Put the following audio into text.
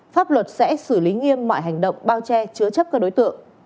pháp luật sẽ xử lý nghiêm mọi hành động bao che chứa chấp các đối tượng